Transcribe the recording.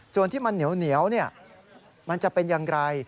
ส่วนที่มันเหนียวมันจะเป็นอย่างไร